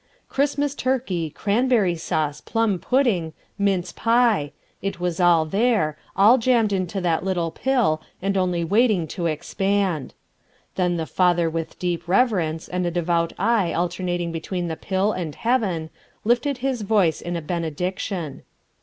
Christmas turkey, cranberry sauce, plum pudding, mince pie it was all there, all jammed into that little pill and only waiting to expand. Then the father with deep reverence, and a devout eye alternating between the pill and heaven, lifted his voice in a benediction.